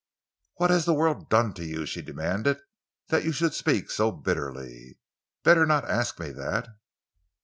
"What has the world done to you," she demanded, "that you should speak so bitterly?" "Better not ask me that."